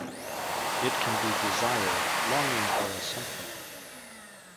It can be desire, longing for a something.